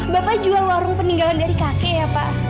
bapak jual warung peninggalan dari kakek ya pak